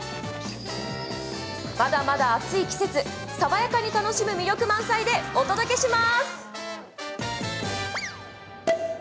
まだまだ暑い季節爽やかに楽しむ魅力満載でお届けします。